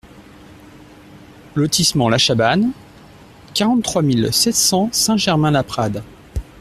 Lotissement La Chabanne, quarante-trois mille sept cents Saint-Germain-Laprade